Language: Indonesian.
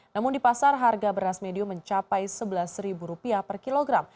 namun di pasar harga beras medium mencapai rp sebelas per kilogram